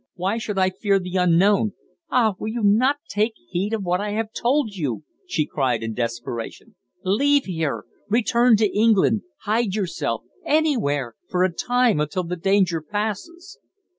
Why should I fear the unknown?" "Ah! will you not take heed of what I have told you?" she cried in desperation. "Leave here. Return to England hide yourself anywhere for a time, until the danger passes."